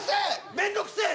めんどくせえ！